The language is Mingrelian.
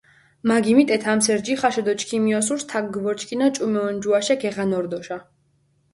მა გიმიტეთ ამჷსერი ჯიხაშე დო ჩქიმი ოსურს თაქ გჷვორჩქინა ჭუმე ონჯუაშე გეღან ორდოშა.